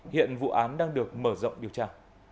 hiện vụ án đang được mở rộng điều tra